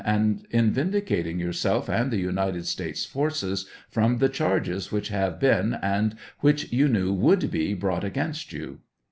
And in vindicating yourself and the United States forces from the charges which have been and which you knew would be brought against you